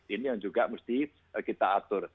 ini yang juga mesti kita atur